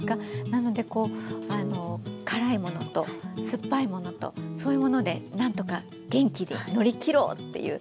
なのでこう辛いものと酸っぱいものとそういうもので何とか元気に乗り切ろう！っていう。